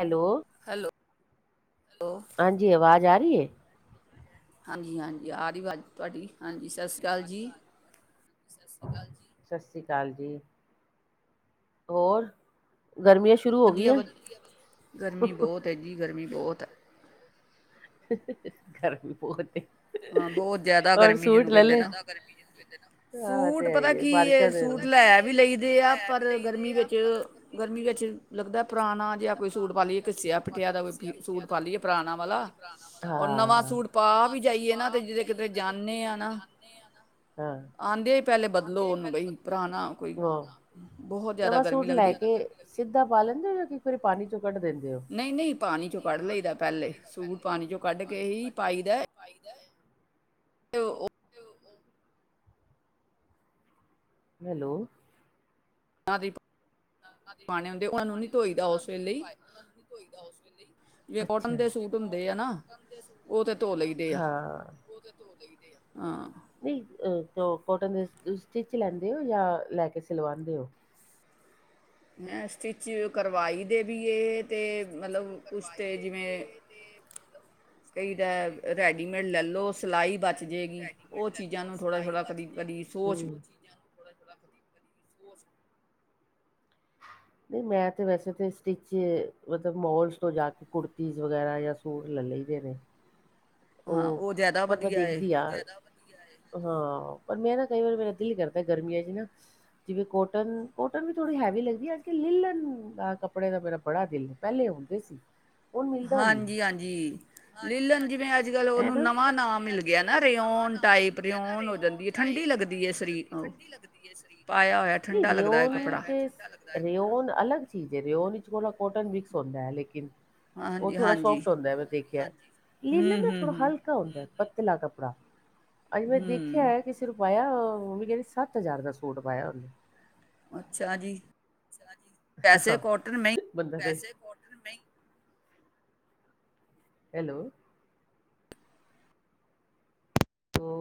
Hello. Hello, ਹੋ। ਹਾਂਜੀ-ਹਾਂਜੀ ਆ ਰੀ ਵਾਜ਼ ਤੁਆਡੀ ਹਾਂਜੀ ਸਾਸੀ ਕਾਲ ਜੀ। ਸਸੀ ਕਾਲ ਜੀ, ਸਸਰੀ ਕਾਲ ਜੀ। ਹੋਰ, ਗਰਮੀਆਂ ਸ਼ੁਰੂ ਹੋ ਗਈਆਂ [unintelligible] ਪੈਜੀ ਗਰਮੀ ਬਹੁਤ ਐ। ਗਰਮੀ ਬੋ ਤੇ। ਹਾਂ ਬੋ ਜਾਦਾ ਗਰਮੀ ਜੀਨੂੰ ਕੈਂਦੇ ਨਾ, ਸੂਟ ਪਤਾ ਕੀ ਏ ਸੂ ਲੈ ਵੀ ਲਈ ਦੇ ਆ ਪਰ ਗਰਮੀ ਵੇਚ ਗਰਮੀ ਵੇਚ ਲੱਗਦਾ ਪੁਰਾਣਾ ਜੇ ਕੋਈ ਸੂਟ ਪਾ ਲੀਏ। ਘੱਸੇਆ ਪਟੇਆ ਦਾ ਕੋ ਸੂਟ ਪਾ ਲੀਏ ਪੁਰਾਣਾ ਵਾਲਾ। ਹਾਂ, [unintelligible] ਜਾਈਏ ਨਾ ਤੇ ਜੇ ਕਿਤੇ ਜਾਂਦੇ ਆ ਨਾ ਆਦੇ ਆ ਹੀ ਪੈਲੇ ਬਦਲੋ ਓਨੂੰ ਬਈ। ਪੁਰਾਣਾ ਕੋਈ। ਨਵਾਂ ਸੂਟ ਲੈ ਕੇ, ਸੀਧਾ ਪਾ ਲੈਂਦੇ ਓ ਜਾਂ ਕੀ ਫੇਰ ਪਾਣੀ ਚੋਂ ਕੱਢ ਦੀਂਦੇ ਓ? ਨਈ-ਨਈ ਪਾਣੀ ਚੋਂ ਕੱਢ ਲਈ ਦਾ ਪੈਲੇ, ਸੂਟ ਪਾਣੀ ਚੋਂ ਕੱਢ ਕੇ ਹੀ ਪਾਈ ਦਾ। ਪਾਈਦੈ। ਤੇ ਓ ਤੇ ਓ ਹੈਲੋ। ਤਾਰੀਕ ਪਾਣੇ ਹੁੰਦੇ ਓਨਾ ਨੂੰ ਨੀ ਧੋਈਦਾ ਓਸ ਵੇਲੇ ਹੀ, ਜੇ ਕੋਟਨ ਦੇ ਸੂਟ ਹੁੰਦੇ ਆ ਨਾ, ਓ ਤੇ ਤੋ ਲਈ ਦੇ ਆ, ਹਾਂ। ਨਈ ਅ ਕੋ ਕੋਟਨ ਦੇ ਸਟੀਚ ਲੈਂਦੇ ਹੋ ਜਾਂ ਲੈ ਕੇ ਸੀਲਵਾਂਦੇ ਓ? ਮੈਂ ਸਟੀਚ ਕਰਵਾਈ ਦੇ ਵੀ ਏ ਤੇ ਮਲਵ ਕੁਛ ਤਾਂ ਜੀਵੇਂ ਕਈਦਾ ਰੈਡੀਮੇਡ ਲੈਲੋ। ਸਲਾਈ ਬਚ ਜੇਗੀ ਓ ਚੀਜ਼ਾਂ ਨੂੰ ਥੋੜਾ-ਥੋੜਾ ਕਦੀ-ਕਦੀ ਸੋਚ [unintelligible] [inaudible] ਨਈ ਮੈਂ ਤਾਂ ਵੈਸੇ ਤਾਂ ਸਟੀਚ, ਮਤਲਬ ਮੋਲਸ ਤੋਂ ਜਾ ਕੇ ਕੁੜਤੀਜ਼ ਵਗੈਰਾ ਜਾਂ ਸੂਟ ਲੈ ਲਈਦੇ ਨੇ। ਓ, ਪਰ ਮੈਂ ਦੇਖਦੀ ਆ, ਹਾਂ ਪਰ ਮੈਂ ਨਾ ਕਈ ਵਾਰ ਮੇਰਾ ਦੇਲ ਹੀ ਕਰਦਾ ਗਰਮੀਆਂ ਚ ਨਾ ਜਿਵੇਂ ਕੋਟਨ, ਕੋਟਨ ਵੀ ਥੋੜੀ ਹੈਵੀ ਲੱਗਦੀ ਐ ਅੱਜ-ਕੱਲ ਲੀਲਣ ਦਾ ਕੱਪੜੇ ਦਾ ਮੇਰਾ ਬੜਾ ਦਿਲ ਏ। ਪੈਲੇ ਔਦੇ ਸੀ ਓ ਮਿਲਦਾ ਨੀ, ਹਾਂਜੀ-ਹਾਂਜੀ। ਐ ਨਾ ਜੇਵੇਂ ਅੱਜ-ਕੱਲ ਓਨੂੰ ਨਵਾਂ ਨਾਂ ਮਿਲ ਗੇਆਨਾ ਰੇਓਨ ਟਾਏ ਰੇਓਨ ਜਾਂ ਠੰਡੀ ਲੱਗਦੀ। ਏਸ ਲੀ, ਨਈ-ਨੀ ਤੇ, [unintelligible] ਰੇਓਨ ਅਲੱਗ ਚੀਜ਼ ਹੈ। ਰੇਓਨ ਵਿਚ ਥੋੜਾ ਕੋਟਨ, ਮਿਕਸ ਹੁੰਦਾ ਹੈ ਲੇਕਿਨ ਉਹ ਥੋੜਾ ਸੋਫਟ ਹੁੰਦਾ ਮੈਂ ਦੇਖਿਆ, ਲੀਲਨ ਹੁੰਦਾ ਪੱਤਲਾ ਕੱਪੜਾ, ਅੱਜ ਮੈਂ ਦੇਖਿਆ ਹੈ ਕਿਸ ਕਿਸੀ ਨੇ ਪਾਇਆ, ਵੀ ਕਹਿੰਦੀ ਸੱਤ ਹਜ਼ਾਰ ਦਾ ਸੂਟ ਪਾਇਆ ਉਹਨੇ। ਅੱਛਾ ਜੀ, ਵੈਸੇ ਕੋਟਨ ਮ ਬੰਦਾ ਹੈਲੋ- ਹੈਲੋ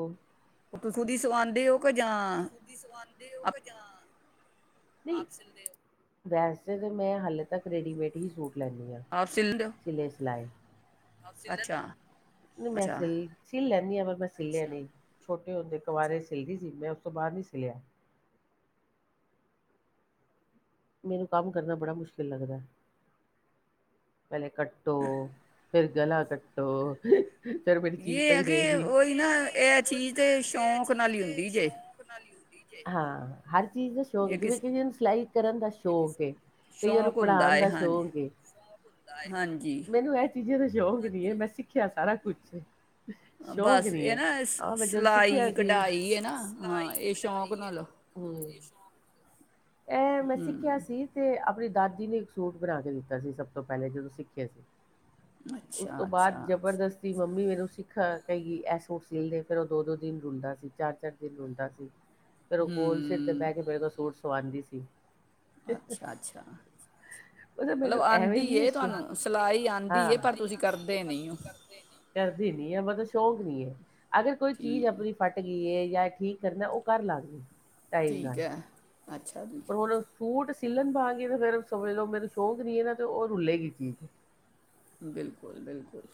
ਉਹ ਤੁਸੀ ਉਹਦੀ ਸਵਾਉਂਦੇ ਹੋ ਕੁਝ, ਹਾਂ ਦੀ ਸਦੇ ਉਹ, ਕ ਜਾਂ- ਵੈਸੇ ਤਾਂ ਮੈਂ, ਹਾਲੇ ਤੱਕ ਰੈਡੀਮੇਡ ਹੀ ਸੂਟ ਲੈਂਦੀ ਹਾਂ। ਆਪ ਸਿਲ ਦੇ ਓ? ਸਲੇ ਸਲਾਈ, ਨਹੀਂ ਮੈਂ ਸ ਸਿੱਲ ਲੈਂਦੀ ਹਾਂ ਪਰ ਮੈਂ ਸਿੱਲਿਆ ਨਹੀਂ, ਛੋਟੇ ਹੁੰਦੇ ਕਵਾਰੇ ਸਲਦੀ ਸੀ, ਮੈਂ ਉਸ ਤੋਂ ਬਾਦ ਨ ਸਲਿਆ। ਮੈਨੂੰ, ਕੰਮ ਕਰਨਾ ਬੜਾ ਮੁਸ਼ਕਿਲ ਲੱਗਦਾ। ਪਹਿਲੇ ਕੱਟੋ, ਫੇਿਰ ਗਲਾ ਕੱਟੋ ਫੇਰ, ਮੇਰੀ ਚੀਜ਼ ਪਈ ਰਹੇਗੀ। ਇਹ ਹੈ ਨਾ ਇਹ ਚੀਜ ਤੇ ਸ਼ੋਂਕ ਹਾਂ, ਹਰ ਚੀਜ਼ ਦਾ ਸ਼ੋਂਕ, ਜਿਵੇਂ ਕਿਸੀ ਨੂੰ ਸਿਲਾਈ ਕਰਨ ਦਾ ਸ਼ੌਕ ਏ। ਕਈਆਂ ਨੂੰ ਪੜ੍ਹਾਉਣ ਦਾ ਸ਼ੌਕ ਏ। ਹਾਂਜੀ। ਮੈਨੂੰ ਇਹ ਚੀਜ਼ਾਂ ਦਾ ਸ਼ੌਕ ਨੀ ਹੈ, ਮੈਂ ਸਿੱਖਿਆ ਸਾਰਾ ਕੁਛ ਏ। ਸ਼ੌਕ ਨੀ ਹੈ। ਆਹ ਮੈਂ ਜਦੋਂ ਸਿੱਖਿਆ ਸੀ ਹਾਂ। ਇਹ ਮੈਂ ਸਿੱਖਿਆ ਸੀ ਤੇ, ਆਪਣੀ ਦਾਦੀ ਨੇ ਇੱਕ ਸੂਟ ਬਣਾ ਕੇ ਦਿੱਤਾ ਸੀ ਸਭ ਤੋਂ ਪਹਿਲੇ, ਜਦੋਂ ਸਿੱਖੇ ਸੀ। ਉਸ ਤੋਂ ਬਾਅਦ ਜ਼ਬਰਦਸਤੀ ਤੇ ਮੰਮੀ ਮੈਨੂੰ ਸਿੱਖ ਕਈ ਐਸਸੀਲਦੇ, ਫੇਰ ਉਹ ਦੋ-ਦੋ ਦਿਨ ਰੁਲਦਾ ਸੀ, ਚਾਰ-ਚਾਰ ਦਿਨ ਰੁਲਦਾ ਸੀ। ਹ- ਫਿਰ ਉਹ ਕੋਲ ਸਿਰ ਤੇ ਬਹਿ ਕੇ, ਮੇਰੇ ਕੋਲ ਸੂਟ ਸਵਾਉਂਦੀ ਸੀ। ਅੱਛਾ, ਅੱਛਾ। ਮਤਲਬ ਆਉਂਦੀ ਤੁਹਾਨੂੰ, ਸਿਲਾਈ ਆਉਂਦੀ, ਪਰ ਤੁਸੀਂ ਕਰਦੇ ਨ ਹੋ। ਕਰਦੀ ਨੀ, ਮਤਲਬ ਸ਼ੌਕ ਨੀ ਹੈ। ਅਗਰ ਕੋਈ ਚੀਜ਼ ਆਪਣੀ ਫੱਟ ਗਈਏ ਜਾਂ ਠੀਕ ਕਰਨਾ, ਉਹ ਕਰ ਲਾ ਗੀ। ਠੀਕ ਹੈ, ਅੱਛਾ ਜੀ। ਹੁਣ ਸੂਟ ਸਲਣ ਤੇ ਆਗੀ ਤੇ ਫੇਿਰ ਸਮਝ ਲਓ, ਮੇੂੰ ਸ਼ੌਂਕ ਨੀ ਨਾ, ਤੇ ਉਹ ਰੁਲੇਗੀ ਚੀਜ਼। ਬਿਲਕੁਲ, ਬਿਲਕੁਲ।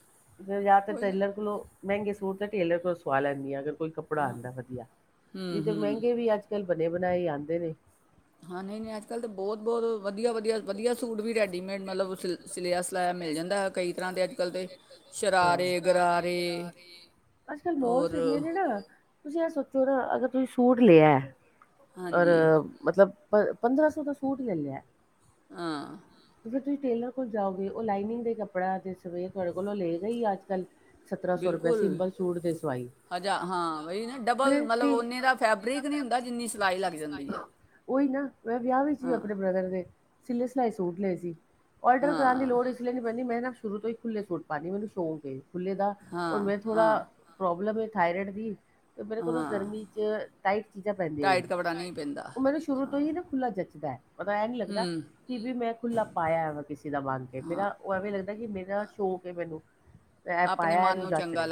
ਜਾਂ ਤਾਂ ਟੇਲਰ ਕੋਲੋਂ, ਮਹਿੰਗੇ ਸੂਟ ਤੇ ਟੇਲਰ ਕੋਲੋਂ ਸਵਾ ਲੈਂਦੀ ਹਾਂ। ਅਗਰ ਕੋਈੱ ਕਪੜਾ ਦਾ ਵਧੀਆ, ਨਹੀਂ ਤੇ ਮਹਿੰਗੇ ਵੀ ਅੱਜ ਕੱਲ੍ਹ, ਬਣੇ ਬਣਾਏ ਹੀ ਆਉਂਦੇ ਨੇ। ਹਾਂਜੀ ਨਹੀਂ -ਨਹੀਂ, ਅੱਜ ਕੱਲ੍ਹ ਤਾਂ ਬਹੁਤ-ਬਹੁਤ ਵਧੀਆ-ਵਧੀਆ, ਵਧੀਆ ਸੂਟ ਵੀ ਰੈਡੀਮੇਡ ਮਤਲਬ, ਸ ਸਿਲਿਆ-ਸਿਲਾਇਆ ਮਿਲ ਜਾਂਦਾ ਹੈ। ਕਈ ਤਰ੍ਹਾਂ ਦੇ ਅੱਜ ਕੱਲ੍ਹ ਦੇ ਸ਼ਰਾਰੇ, ਗਰਾਰੇ, ਅੱਜ ਕਲ ਬੋਲ ਸਿਲਨੇ ਦੇ ਤੁਸੀਂ ਇਹ ਸੋਚੋ ਨਾ, ਅਗਰ ਤੁਸੀਂ ਸੂਟ ਲਿਆ ਰ ਮਤਲਬ, ਪੰਦਰਾਂ ਸੌ ਦਾ ਸੂਟ ਲੈ ਲਿਆ ਹਾਂ। ਫਿਰ ਤੁਸੀਂ ਟੇਲਰ ਕੋਲ ਜਾਓਗੇ, ਉਹ ਲਾਈਨਿੰਗ ਦੇ ਕੱਪੜਾ, ਸਿਮਾਈ ਤੁਹਾਡੇ ਕੋਲੋਂ ਲੈ ਗਈ ਆ ਅੱਜ ਕੱਲ੍ਹ। ਸਤਰਾਂ ਸੌ ਰੁਪਏ ਸਿੰਪਲ ਸੂਟ ਦੀ ਸਵਾਈ। ਅਜਾ ਹਾਂ, ਬਾਈ, ਨਾ ਡਬਲ ਮਤਲਬ, ਓਨੇ ਦਾ ਫੈਬਰਿਕ ਨੀ ਹੁੰਦਾ, ਜਿੰਨੀ ਸਿਲਾਈ ਲੱਗ ਜਾਂਦੀ ਏ। ਓਹੀ ਨਾ, ਮੈਂ ਵਿਆਹ ਵਿੱਚ ਵੀ ਆਪਨੇ ਬ੍ਰਦਰ ਦੇ, ਸਿੱਲੇ-ਸਿਲਾਈ ਸੂਟ ਲਏ ਸੀ। ਔਲਟਰ ਕਰਾਨ ਦੀ ਲੋੜ ਇਸ ਲਈ ਨੀ ਪੈਂਦੀ, ਮੈਂ ਨਾ ਸ਼ੁਰੂ ਤੋਂ ਈ ਖੁੱਲੇ ਸੂਟ ਪਾਨੀ, ਮੈਨੂੰ ਸ਼ੌਕ ਏ। ਖੁੱਲੇ ਦਾ, ਔਰ ਮੈਂ ਥੋੜ੍ਹਾ, ਪ੍ਰੋਬਲਮ ਏ ਥਾਇਰਇਡ ਦੀ। ਮੇਰੇ ਕੋਲ ਗਰਮੀ 'ਚ ਟਾਈਟ ਚੀਜ਼ਾਂ ਪੈਂਦੀਆਂ ਈ ਨੀ, ਲਾਈਟ ਕਪੜਾ, ਉਹ ਮੈਨੂੰ ਸ਼ੁਰੂ ਤੋਂ ਈ ਨਾ, ਖੁੱਲ੍ਹਾ ਜੱਚਦੈ, ਓਦਾ ਐ ਨੀ ਲੱਗਦਾ, ਕਿ ਬਈ ਮੈਂ ਖੁੱਲਾ ਪਾਇਆ ਵਾ ਕਿਸੀ ਦਾ ਮੰਗ ਕੇ, ਮੇਰਾ ਉਹ ਐਵੇਂ ਲੱਗਦੈ ਕਿ ਮੇਰਾ ਸ਼ੌਕ ਏ ਮੈਨੂੰ। ਐਹ ਪਾਇਆ ਏਨੂੰ ਜੱਚ ਰੇਐ।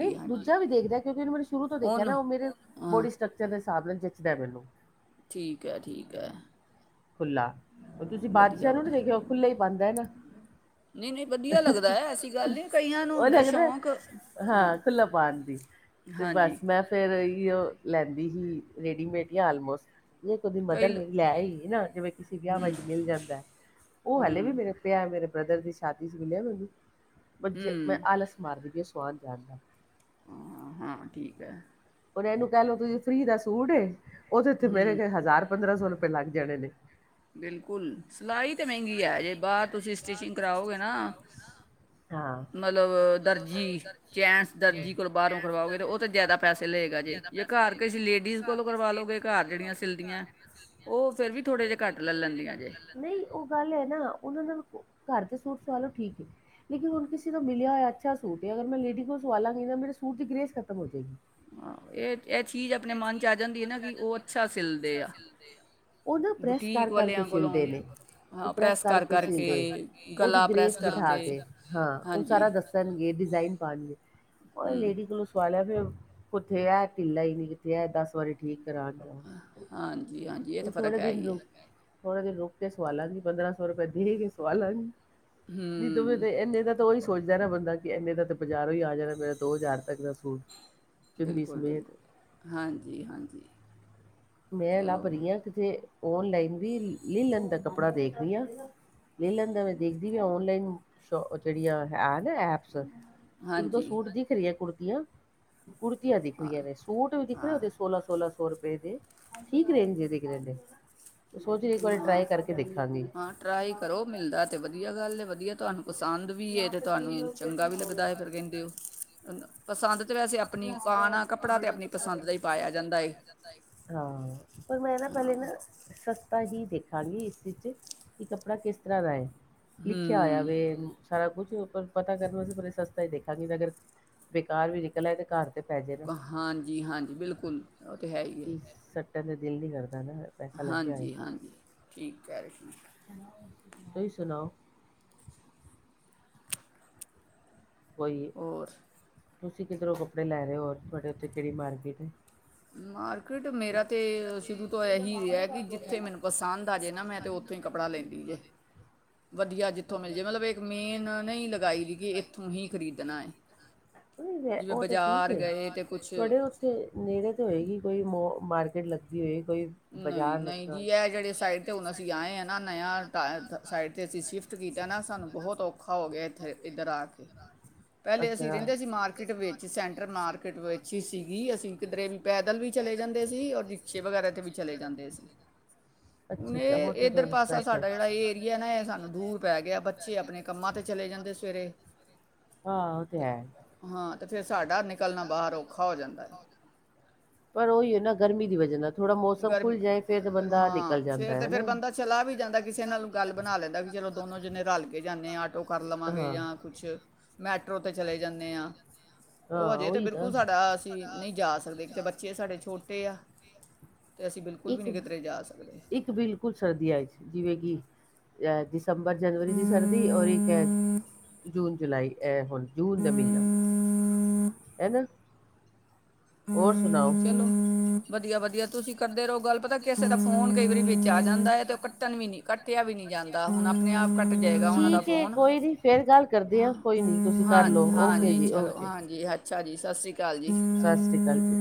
ਨਈ, ਦੂਜਾ ਵੀ ਦੇਖਦੈ ਕਿਉਂਕਿ ਓਨੇ ਮੈਨੂੰ ਸ਼ੁਰੂ ਤੋਂ ਦੇਖਿਆ ਨਾ, ਓ ਮੇਰੇ ਬੋਡੀ ਸਟਕਚ। ਸਟ੍ਰਕਚਰ ਹਿਸਾਬ ਨਾਲ ਜੱਚ ਦੈ ਮੈਨੂੰ। ਠੀਕ ਐ, ਠੀਕ ਐ। ਖੁੱਲ੍ਹਾ, ਉਹ ਤੁਸੀਂ ਬਾਦਸ਼ਾਹ ਨੂੰ ਨੀ ਦੇਖਿਆ? ਉਹ ਖੁੱਲਾ ਈ ਪਾਂਦੈ ਨਾ। ਵਦੀਆ ਲਗਦੈ, ਉਹ ਲੱਗਦੈ ਹਾਂ, ਖੁਲ੍ਹਾ ਪਾਨ ਦੀ। 'ਤੇ ਬਸ-ਬਸ। ਫੇਰ ਓਈਓ, ਲੈਂਦੀ ਸੀ ਰੇਡੀਮੇਡ, ਯਾ ਆਲਮੋਸਟ ਜੇ ਕਦੀ ਮਦਰ ਮੇਰੀ ਲੈ ਆਈ ਏ। ਨਾ ਜਿਵੇਂ ਕਿਸੇ ਵੇਆਵਾ ਵਿੱਚ ਮਿਲ ਜਾਂਦੈ, ਓ ਹਾਲੇ ਵੀ ਮੇਰੇ ਪੇਆ ਮੇਰੇ ਬ੍ਰਦਰ ਦੀ ਸ਼ਾਦੀ 'ਚ ਮਿਲਿਆ ਮੈਨੂੰ, ਬਟ ਜੇ ਮੈਂ ਆਲਸ ਮਾਰਦੀ ਪਈ ਸਵਾਨ ਜਾਨ ਦਾ। ਹਾਂ-ਹਾਂ, ਠੀਕ ਐ। ਉਂਝ ਐਨੂੰ ਕੈ ਲਓ ਤੁਸੀਂ, ਫ੍ਰੀ ਦਾ ਸੂਟ ਏ। ਓਦੇ 'ਤੇ ਮੇਰੇ ਹਜ਼ਾਰ-ਪੰਦਰਾਂ ਸੌ ਰੁਪਏ ਲੱਗ ਜਾਣੇ ਨੇ। ਬਿਲਕੁਲ, ਸਿਲਾਈ ਤਾਂ ਮਹਿੰਗੀ ਏ ਜੇ ਬਾਰ ਤੁਸੀਂ ਸਟਿਚਿੰਗ ਕਰਾਓਗੇ ਨਾ ਮਤਲਬ ਦਰਜੀ, ਚੈਂਸ ਦਰਜੀ ਕੋਲੋਂ ਬਾਰੋਂ ਕਰਵਾਓਗੇ, 'ਤੇ ਉਹ 'ਤੇ ਜਾਦਾ ਪੈਸੇ ਲਏਗਾ ਜੇ। ਜੇ ਘਰ ਕਿਸੇ ਲੇਡੀਜ਼ ਕੋਲੋਂ ਕਰਵਾ ਲਓਗੇ, ਘਰ ਜੇੜੀਆਂ ਸਿਲਦੀਆਂ, ਉਹ ਫੇਰ ਵੀ ਥੋੜੇ ਜੇ ਘੱਟ ਲੈ ਲੈਂਦੀਆਂ ਜੇ। ਨਈ, ਓ ਗੱਲ ਐ ਨਾ, ਉਨਾਂ ਨਾਲੋਂ ਘਰ ਦੇ ਸੂਟ ਸਵਾਲੋ, ਠੀਕ ਏ। ਲੇਕਿਨ ਹੁਨ ਕਿਸੀ ਤੋ ਮਿਲਿਆ ਹੋਇਆ ਅੱਛਾ ਸੂਟ ਏ, ਅਗਰ ਮੈਂ ਲੇਡੀ ਕੋਲ ਸਵਾ ਲਾਂਗੀ ਤਾਂ ਮੇਰੇ ਸੂਟ ਦੀ ਗ੍ਰੇਸ ਖਤਮ ਹੋ ਜਾਏਗੀ। ਹਾ, ਏਅ-ਏਅ ਚੀਜ਼ ਆਪਣੇ ਮਨ 'ਚ ਆ ਜਾਂਦੀ ਏ ਨਾ, ਵੀ ਉਹ ਅੱਛਾ ਸਿਲਦੇ ਆ। ਉਹ ਨਾ ਪ੍ਰੈਸ ਕਰ-ਕਰ ਕੇ ਸਿਲਦੇ ਨੇ। ਪਰੈਸ ਕਰਕੇ ਸੀਂਦੇ, ਓਦੀ ਗ੍ਰੇਸ ਬਿਠਾ ਕੇ, ਹਾਂ, ਉਹ ਸਾਰਾ ਦੱਸ। ਕਰਨਗੇ, ਡਿਜ਼ਾਈਨ ਪਾਂਨਗੇ ਔਰ ਲੇਡੀ ਕੋਲੋਂ ਪਾਲਿਆ ਫੇਰ, ਓਥੇ ਐ ਢਿੱਲਾ ਈ ਨੀ ਜਿਥੇ ਐ ਦਸ ਵਾਰੀ ਠੀਕ ਕਰਾਨਗੇ। ਹਾਂਜੀ-ਹਾਂਜੀ। ਥੋੜੇ ਦਿਨ ਰੁਕ, ਥੋੜੇ ਦਿਨ ਰੁਕ ਕੇ ਸਵਾ ਲਾਂਗੀ। ਪੰਦਰਾਂ ਸੋ ਰੁਪਏ ਦੇਨਗੇ, ਸਵਾ ਲਾਂਗੀ। ਹੂੰ। ਤੂੰ ਵੀ 'ਤੇ ਐਂਨੇ ਦਾ ਤਾਂ ਓਹੀ ਸੋਚਦੈ ਨਾ ਬੰਦਾ ਕਿ ਐਂਨੇ ਦਾ ਤਾਂ ਬਾਜ਼ਾਰੋਂ ਈ ਆ ਜਾਨੈ, ਮੇਰਾ ਦੋ ਹਜ਼ਾਰ ਤੱਕ ਦਾ। ਹੋਰ, ਚੁੰਨੀ ਸਮੇਤ। ਹਾਂਜੀ-ਹਾਂਜੀ। ਮੈਂ ਲੱਭ ਰੀ ਆ ਕਿਤੇ, ਓਨਲਾਈਨ ਦੀ ਲੀਲਨ ਦਾ ਕੱਪੜਾ ਦੇਖਦੀ ਆ, ਲਿਲਨ ਦਾ ਮੈਂ ਦੇਖਦੀ ਵੀ ਓਨਲਾਈਨ, ਸ਼ੋ ਜੇੜੀਆਂ ਹੈ ਨਾ ਐਪ। ਸੱਚ, ਇੱਕ-ਦੋ ਸੂਟ ਦਿਖ ਰੀਆ ਕੁੜਤੀਆਂ। ਕੁੜਤੀਆਂ ਦਿਖਦੀਆਂ ਨੇ, ਸੂਟ ਵੀ ਦਿਖਦੇ ਓਦੇ ਸੋਲਾਂ-ਸੋਲਾਂ ਸੌ ਰੁਪਏ ਦੇ। ਠੀਕ ਰੇਂਜ ਦੇ ਦਿਖਦੇ ਨੇ। ਸੋਚਿਆ ਸੀ ਇੱਕ ਵਾਰੀ ਟਰਾਈ ਕਰਕੇ ਦੇਖਾਂਗੀ। ਪਸੰਦ ਵੀ ਏ ਤੇ ਤੁਹਾਨੂੰ ਚੰਗਾ ਵੀ ਲੱਗਦਾ ਏ, ਫਿਰ ਕੈਂਦੇ ਓ, ਪਸੰਦ। ਪਸੰਦ ਵੀ ਹੈ, ਤੇ ਦੁਕਾਨ ਵਾਲਾ ਕੱਪੜਾ ਆਪਣੀ ਪਸੰਦ ਦਾ ਈ ਪਾਇਆ ਜਾਂਦਾ ਏ, ਹਾਂ। ਉਹ ਮੈਂ ਨਾ, ਪਹਿਲੇ ਨਾ ਸਸਤਾ ਹੀ ਦੇਖਾਂਗੀ ਇਸ ਵਿੱਚ, ਕਿ ਕੱਪੜਾ ਕਿਸ ਤਰ੍ਹਾਂ ਦਾ ਏ, ਲਿਖਿਆ ਹੋਇਆ। ਸਾਰਾ ਕੁਛ, ਪਰ ਪਤਾ ਕਰਨ ਵਸਤੇ ਬੇਕਾਰ ਵੀ ਸਸਤਾ ਈ ਦੇਖਾਂਗੀ, ਅਗਰ ਬੇਕਾਰ ਵੀ ਕਲਾ ਏ, ਤੇ ਘਰ ਤੇ ਪੈਜੇ ਨਾ। ਹਾਂਜੀ-ਹਾਂਜੀ, ਬਿਲਕੁਲ। ਕਿ, ਸਟਣ ਤੇ ਦਿਲ ਨਹੀਂ ਕਰਦਾ ਹਨਾ। ਹਾਂਜੀ-ਹਾਂਜੀ, ਠੀਕ ਕਹਿ ਰਹੇ ਸੀ। ਤੁਹੀ ਸੁਣਾਓ? ਕੋਈ, ਤੁਸੀਂ ਕਿਧਰੋਂ ਕੱਪੜੇ ਲੈ ਰਹੇ ਓ, ਓਰ ਤੁਹਾਡੇ ਉੱਥੇ ਕਿਹੜੀ ਮਾਰਕੀਟ ਏ? ਅੰ ਮਾਰਕੀਟ, ਮੇਰਾ ਤੇ ਸ਼ੁਰੂ ਤੋਂ ਇਹੀ ਰਿਹਾ ਕਿ, ਜਿੱਥੇ ਮੈਨੂੰ ਪਸੰਦ ਆਜੇ ਨਾ ਮੈਂ ਤੇ ਉੱ ਉੱਥੋਂ ਕੱਪੜਾ ਲੈਂਦੀ ਜੇ, ਵਧੀਆ ਜਿੱਥੋਂ ਮਿਲਜੇ ਮਤਲਬ ਇੱਕ ਮੇਨ ਨਹੀਂ ਲਗਾਈ ਦੀ ਕਿ ਤੁਹੀ ਖਰੀਦਣਾ ਏ, ਜਿਵੇਂ ਬਜ਼ਾਰ ਗਏ ਤੇ ਕੁਛ ਉੱਥੇ, ਨੇੜੇ ਤੇ ਹੋਏਗੀ ਕੋਈ, ਮਾਰਕੀਟ ਲੱਦੀ ਹੋਏ ਕੋਈ। ਨਹੀਂ-ਨਹੀਂ, ਜੀ ਐ ਜਿਹੜੇ ਸਾਈਡ ਤੇ ਹੁਣ ਅਸੀਂ ਆਏ ਆ ਨਾ, ਨਇਆ ਟ ਸਾਈਡ 'ਤੇ ਅਸੀਂ ਸ਼ਿਫਟ ਕੀਤਾ ਨਾ ਸਾਨੂੰ ਬਹੁਤ ਔਖਾ ਔਖਾ ਹੋਗਿਆ ਇੱਥੇ, ਇੱਧਰ ਆਕੇ। ਪਹਿਲੇ ਅਸੀਂ ਰਹਿੰਦੇ ਸੀ ਮਾਰਕੀਟ ਵਿੱਚ, ਸੈਂਟਰ ਮਾਰਕੀਟ ਵਿੱਚ ਈ ਸੀਗੀ, ਅਸੀ ਕਿਧਰੇ ਵੀ ਪੈਦਲ ਵੀ ਚਲੇ ਜਾਂਦੇ ਸੀ, ਔਰ ਰਿਕਸ਼ੇ ਵਗੈਰਾ ਤੇ ਵੀ। ਚਲੇ ਜਾਂਦੇ ਸੀ, ਹੁਣ ਏ, ਇੱਧਰ ਪਾਸਾ ਸਾਡਾ ਜਿਹੜਾ ਏਰੀਆ ਏ ਨਾ, ਇਹ ਸਾਨੂੰ ਦੂਰ ਪੈਗਿਆ, ਬੱਚੇ ਆਪਣੇ ਕੰਮਾਂ ਤੇ ਚਲੇ ਜਾਂਦੇ ਸਵੇਰੇ। ਤੇ, ਹਾਂ, ਫਿਰ ਸਾਡਾ ਨਿਕਲਣਾ ਬਾਹਰ ਔਖਾ ਹੋ ਜਾਂਦਾ ਏ। ਪਰ ਓਹੀ ਏ ਨਾ ਗਰਮੀ ਦੀ ਵਜ੍ਹਾ ਨਾਲ, ਥੋੜ੍ਹਾ ਮੌਸਮ ਖੁੱਲ ਜਾਏ ਫਿਰ ਤਾਂ ਬੰਦਾ ਨਿਕਲ ਜਾਂਦਾ ਏ, ਹਨਾ। ਚਲਾ ਵੀ ਜਾਂਦਾ ਕਿਸੇ ਨਾਲ ਗੱਲ ਬਣਾ ਲੈਂਦਾ, ਕਿ ਚਲੋ ਦੋਨੋ ਜਨੇ ਰਲਕੇ ਜਾਂਨੇੇ ਆ, ਆਟੋ ਕਰ ਲਵਾਂਗੇ ਯਾ ਕੁਛ, ਮੈਟਰੋ ਤੇ ਚਲੇ ਜਾਂਨੇੇ ਆ। ਓ ਹਜੇ ਤੇ ਬਿਲਕੁਲ ਸਾਡਾ, ਅਸੀਂ ਨਹੀਂ ਜਾ ਸਕਦੇ ਕਿਤੇ ਬੱਚੇ ਸਾਡੇ ਛੋਟੇ ਆ। ਤੇ ਅਸੀਂ ਬਿਲਕੁਲ ਵੀ ਨਹੀਂ ਕਿਧਰੇ ਜਾ ਸਕਦੇ। ਬਿਲਕੁਲ ਸਰਦੀਆਂ'ਚ, ਜਿਵੇਂ ਕਿ ਅ ਦਸੰਬਰ, ਜਨਵਰੀ ਦੀ ਸਰਦੀ ਔਰ ਇੱਕ ਹੈ ਜੂਨ, ਜੁਲਾਈ ਐ ਹੁਣ। ਜੂਨ ਦਾ ਮ੍ਹੀਨਾ, ਹੈ ਨਾ? ਚਲੋ, ਵਧੀਆ-ਵਧੀਆ ਤੁਸੀਂ ਕਰਦੇ ਰਹੋ ਗੱਲ, ਪਤਾ ਕਿਸੇ ਦਾ ਫੋਨ ਕਈ ਵਾਰੀ ਵਿੱਚ ਆ ਜਾਂਦਾ ਏ, ਤੇ ਉਹ ਕੱਟਣ ਵੀ ਨਹੀਂ, ਕੱਟਿਆ ਵੀ ਨਹੀਂ ਜਾਂ ਹੁਣ ਅਪਣੇ-ਆਪ ਕੱਟ ਜਾਏਗਾ ਉਹਨਾਂ ਦਾ ਫੋਨ, ਹਾਂ, ਹਾਂਜੀ ਚਲੋ। ਹਾਂਜੀ, ਅੱਛਾ ਜੀ, ਸਤਿ ਸ੍ਰੀ ਅਕਾਲ ਜੀ। ਸਤਿ ਸ਼੍ਰੀ ਅਕਾਲ ਜੀ।